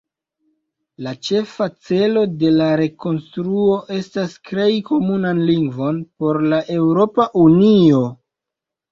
La ĉefa celo de la rekonstruo estas krei komunan lingvon por la Eŭropa Unio.